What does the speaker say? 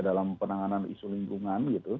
dalam penanganan isu lingkungan